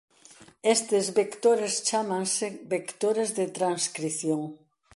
Estes vectores chámanse vectores de transcrición.